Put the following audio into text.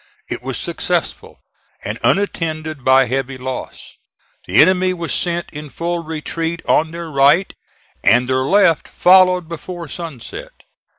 It was successful and unattended by heavy loss. The enemy was sent in full retreat on their right, and their left followed before sunset.